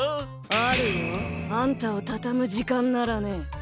あるよ。あんたをたたむじかんならね。